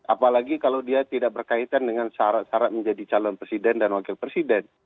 apalagi kalau dia tidak berkaitan dengan syarat syarat menjadi calon presiden dan wakil presiden